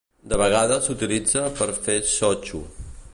De vegades s'utilitza per fer shochu.